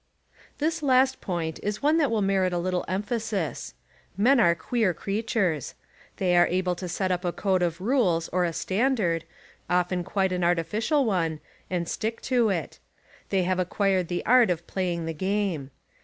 This last point is one that will merit a ht tle emphasis. Men are queer creatures. They are able to set up a code of rules or a standard, often quite an artificial one, and stick to it. They have acquired the art of playing the game.